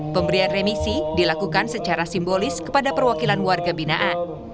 pemberian remisi dilakukan secara simbolis kepada perwakilan warga binaan